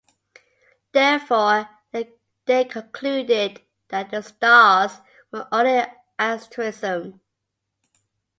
Therefore, they concluded that the stars were only an asterism.